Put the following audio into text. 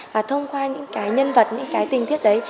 và thông qua những cái nhân vật những cái tình tiết đấy